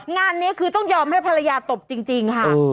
งานนี้คือต้องยอมให้ภรรยาตบจริงค่ะ